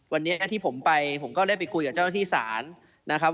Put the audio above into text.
วันนี้ที่ผมไปผมก็ได้ไปคุยกับเจ้าหน้าที่ศาลนะครับ